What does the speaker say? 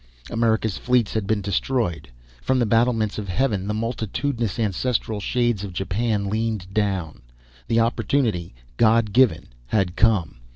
America's fleets had been destroyed. From the battlements of heaven the multitudinous ancestral shades of Japan leaned down. The opportunity, God given, had come.